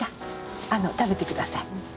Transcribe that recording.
あの食べてください。